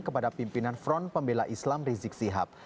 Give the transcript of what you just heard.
kepada pimpinan front pembela islam rizik sihab